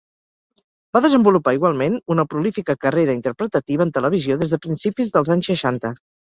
Va desenvolupar igualment una prolífica carrera interpretativa en televisió des de principis dels anys seixanta.